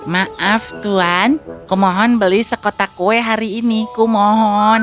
maaf tuhan kumohon beli sekotak kue hari ini kumohon